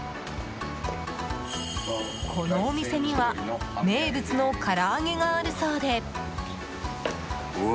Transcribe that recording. このお店には名物のから揚げがあるそうで。